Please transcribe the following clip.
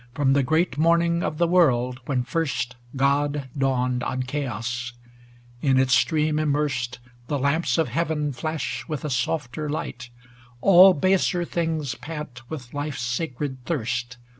From the great morning of the world when first God dawned on Chaos; in its stream im mersed, The lamps of Heaven flash with a softer light; All baser things pant with life's sacred thirst.